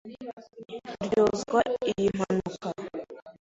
Uryozwa iyi mpanuka.